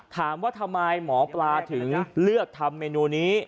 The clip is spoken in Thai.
ถามว่าทำไมหมอปลาถึงเลือกทำเมนูนี้